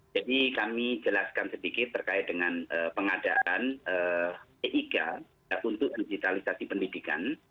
jadi kami jelaskan sedikit terkait dengan pengadaan eiga untuk digitalisasi pendidikan